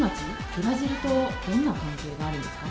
ブラジルとどんな関係があるんですか？